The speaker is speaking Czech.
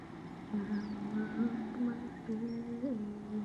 Hrál také se skupinou Umělá hmota.